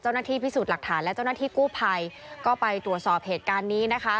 เจ้าหน้าที่พิสูจน์หลักฐานและเจ้าหน้าที่กู้ภัยก็ไปตรวจสอบเหตุการณ์นี้นะคะ